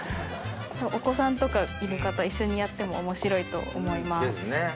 お子さんとかいる方一緒にやっても面白いと思います。